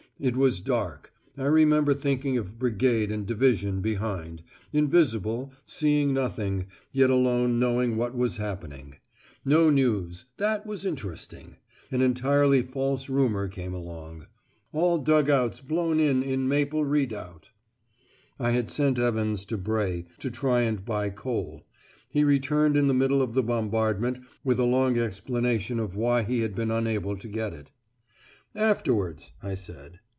It was dark. I remember thinking of Brigade and Division behind, invisible, seeing nothing, yet alone knowing what was happening. No news, that was interesting. An entirely false rumour came along, 'All dug outs blown in in Maple Redoubt.' I had sent Evans to Bray to try and buy coal: he returned in the middle of the bombardment with a long explanation of why he had been unable to get it. 'Afterwards,' I said.